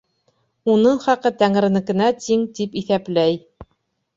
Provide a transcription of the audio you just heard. Уның хаҡы тәңренекенә тиң, тип иҫәпләй.